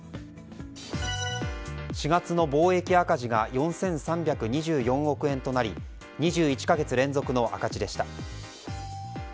４月の貿易赤字が４３２４億円となり２１か月連続の赤字でした。